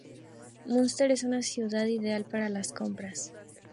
Münster es una ciudad ideal para las compras.